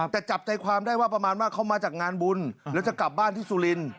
แต่จับใจความได้ว่าประมาณว่าเขามาจากงานบุญแล้วจะกลับบ้านที่สุรินทร์